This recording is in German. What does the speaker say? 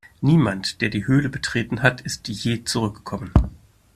Niemand, der die Höhle betreten hat, ist je zurückgekommen.